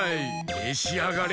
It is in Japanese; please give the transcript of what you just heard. めしあがれ！